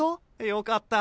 よかった！